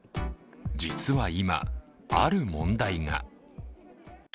実は今、ある問題が。